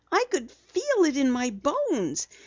"I could feel it in my bones.